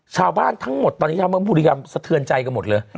ชาวบ้านทั้งหมดตอนนี้บุริกรรมสะเทือนใจกันหมดเลย